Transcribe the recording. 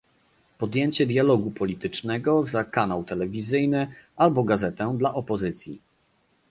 Podjęcie dialogu politycznego za kanał telewizyjny, albo gazetę dla opozycji